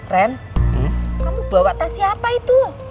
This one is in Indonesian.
ren kamu bawa tas siapa itu